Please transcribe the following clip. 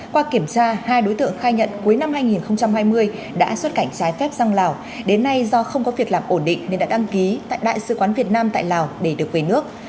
qua kiểm tra hai đối tượng khai nhận cuối năm hai nghìn hai mươi đã xuất cảnh trái phép sang lào đến nay do không có việc làm ổn định nên đã đăng ký tại đại sứ quán việt nam tại lào để được về nước